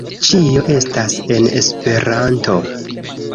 Ĉio estas en Esperanto